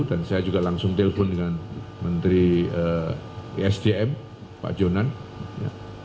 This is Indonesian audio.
dan saya juga langsung telpon dengan menteri isdm pak jonan ya